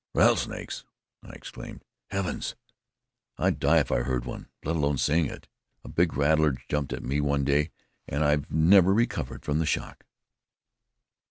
"Rattlesnakes!" I exclaimed. "Heavens! I'd die if I heard one, let alone seeing it. A big rattler jumped at me one day, and I've never recovered from the shock."